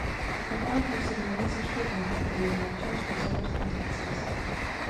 The Club hosted many social events, including lectures, recitals, and dances.